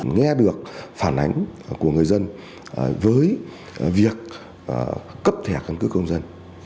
nghe được phản ánh của người dân với việc cấp thẻ căn cước công dân